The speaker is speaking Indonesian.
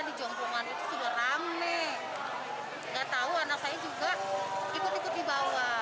dan dia juga menemukan anaknya di polda metro jaya